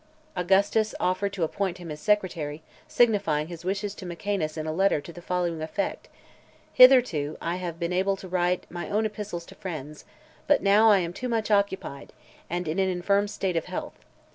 Augustus offered to appoint him his secretary, signifying his wishes to Mecaenas in a letter to the following effect: "Hitherto I have been able to write my own epistles to friends; but now I am too much occupied, and in an infirm state of health.